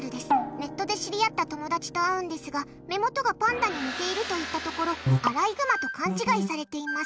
ネットで知り合った友達と会うんですが目元がパンダに似ているといったところアライグマと勘違いされています。